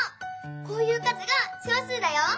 こういう数が小数だよ。